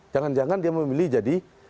jangan jangan dia memilih jadi